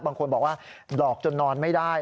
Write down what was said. บางคนบอกว่าหลอกจนนอนไม่ได้